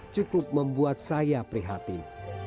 cukup membuat saya prihatin